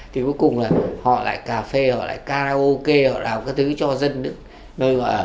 thì cuối cùng là họ lại cà phê họ lại karaoke họ làm cái thứ cho dân nữ nơi họ ở